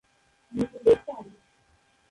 New York Times.